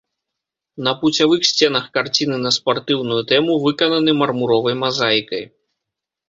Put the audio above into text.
На пуцявых сценах карціны на спартыўную тэму выкананы мармуровай мазаікай.